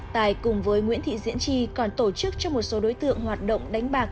tài cùng với nguyễn thị diễn chi còn tổ chức cho một số đối tượng hoạt động đánh bạc